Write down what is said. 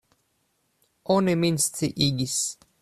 Oni min sciigis.